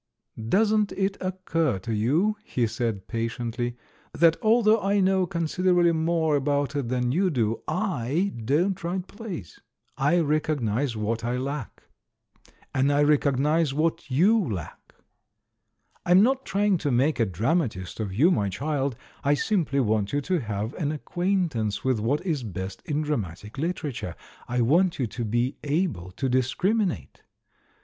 "Doesn't it occur to you," he said patiently, "that, although I know considerably more about it than you do, I don't write plays? I recognise what I lack. And I recognise what i/ou lack. I'm not trying to make a dramatist of you, my child — I simply want you to have an acquaint ance with what is best in dramatic literature; I want you to be able to discriminate.